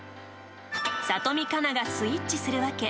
里見香奈がスイッチする訳。